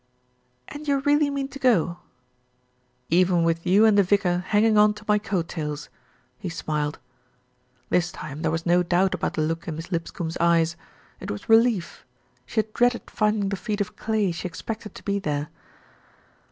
"And you really mean to go?" "Even with you and the vicar hanging on to my coat tails," he smiled. This time there was no doubt about the look in Miss Lipscombe's eyes it was relief. She had dreaded find ing the feet of clay she expected to be there.